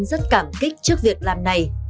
rất cảm kích trước việc làm này